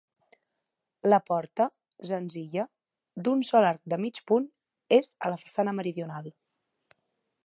La porta, senzilla, d'un sol arc de mig punt, és a la façana meridional.